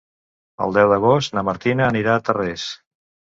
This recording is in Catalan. El deu d'agost na Martina anirà a Tarrés.